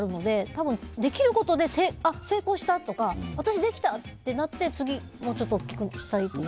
多分できることで成功したとか私、できた！ってなって次にもうちょっと大きくしたりとか。